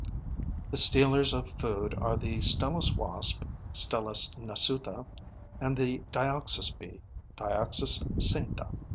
The stealers of food are the Stelis wasp (Stelis nasuta) and the Dioxys bee (Dioxys cincta).